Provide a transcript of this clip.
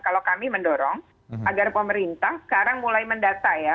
kalau kami mendorong agar pemerintah sekarang mulai mendata ya